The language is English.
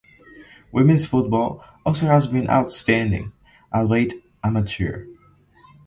Women's football also has been outstanding, albeit amateur.